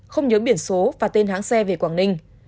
không nhớ biển số và tên hãng xe về quảng ninh